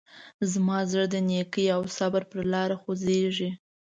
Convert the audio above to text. زما زړه د نیکۍ او صبر په لاره خوځېږي.